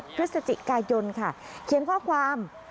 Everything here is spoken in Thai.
พฤศจิกายนค่ะเขียนข้อความ